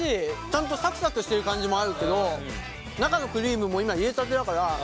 ちゃんとサクサクしてる感じもあるけど中のクリームも今入れたてだから。